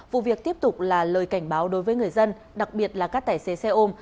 vụ việc tiếp tục là lời cảnh báo đối với người dân đặc biệt là các tài xế xe ôm